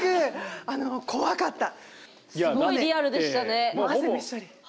すごいリアルでしたね。